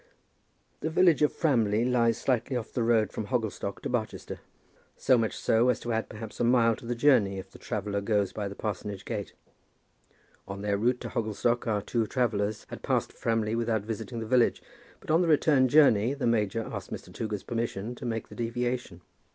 The village of Framley lies slightly off the road from Hogglestock to Barchester, so much so as to add perhaps a mile to the journey if the traveller goes by the parsonage gate. On their route to Hogglestock our two travellers had passed Framley without visiting the village, but on the return journey the major asked Mr. Toogood's permission to make the deviation.